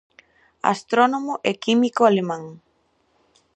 Astrónomo e químico alemán.